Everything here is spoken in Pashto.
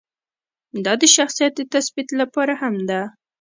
دا د شخصیت د تثبیت لپاره هم ده.